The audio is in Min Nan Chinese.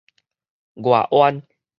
外彎